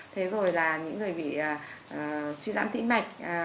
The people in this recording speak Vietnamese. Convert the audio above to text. thế rồi là những người bị suy dãn tim mạch